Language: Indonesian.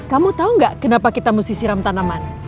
kamu tahu nggak kenapa kita mesti siram tanaman